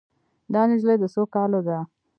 دا نجلۍ د څو کالو ده